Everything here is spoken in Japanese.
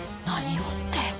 何をって。